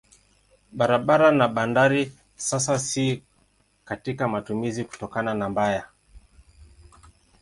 Barabara na bandari sasa si katika matumizi kutokana na mbaya.